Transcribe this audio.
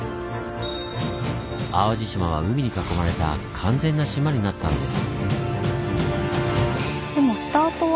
淡路島は海に囲まれた完全な島になったんです。